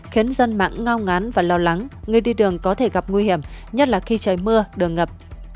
khiến dân mạng ngao ngán và lo lắng người đi đường có thể gặp nguy hiểm nhất là khi trời mưa đường ngập